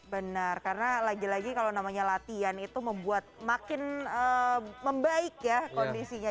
benar karena lagi lagi kalau namanya latihan itu membuat makin membaik ya kondisinya